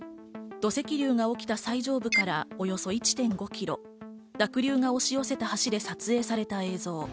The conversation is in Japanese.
土石流が起きた最上部からおよそ１．５ｋｍ、濁流が押し寄せた橋で撮影された映像。